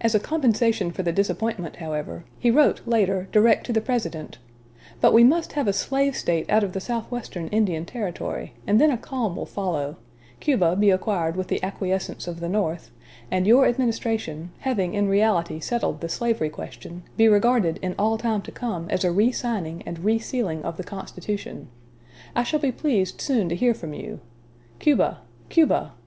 As a compensation for the disappointment, however, he wrote later direct to the President: "But we must have a slave State out of the southwestern Indian Territory, and then a calm will follow; Cuba be acquired with the acquiescence of the North; and your administration, having in reality settled the slavery question, be regarded in all time to come as a re signing and re sealing of the Constitution.... I shall be pleased soon to hear from you. Cuba! Cuba!